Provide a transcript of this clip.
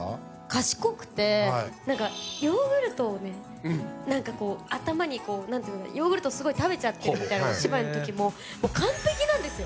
賢くてなんかヨーグルトをねなんかこう頭にこう何ていうのかなヨーグルトすごい食べちゃってるみたいなお芝居のときも完璧なんですよ